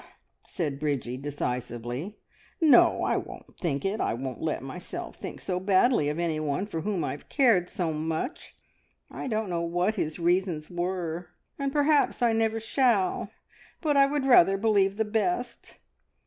said Bridgie decisively. "No, I won't think it! I won't let myself think so badly of anyone for whom I have cared so much. I don't know what his reasons were, and perhaps I never shall, but I would rather believe the best.